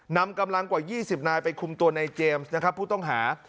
นำกำลังกว่า๒๐นายไปคุมตัวในเจมส์นะครับผู้ต้องหา